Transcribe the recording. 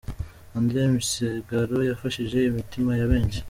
Adrien Misigaro yafashishije imitima ya benshi.